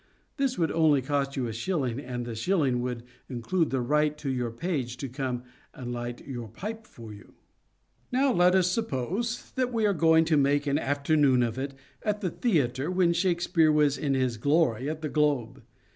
This would only cost you a shilling, and the shilling would include the right of your page to come and light your pipe for you. Now let us suppose that we are going to make an afternoon of it at the theatre when Shake speare was in his glory at The Globe.